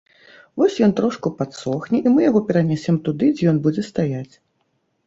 Вось ён трошку падсохне, і мы яго перанясем туды, дзе ён будзе стаяць.